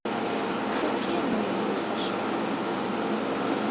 Уке мыйын йолташем.